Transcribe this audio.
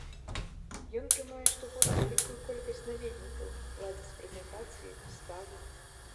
Ён прымае штогод вялікую колькасць наведнікаў, ладзіць прэзентацыі, выставы.